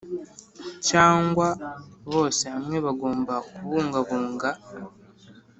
Cyangwa bose hamwe bagomba kubungabunga